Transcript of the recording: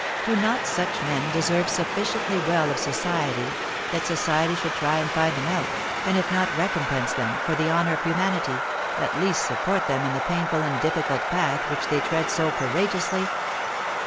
Do not such men deserve sufficiently well of society, that society should try and find them out, and if not recompense them, for the honour of humanity, at least support them in the painful and difficult path which they tread so courageously?